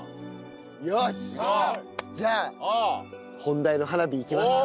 よしじゃあ本題の花火いきますか。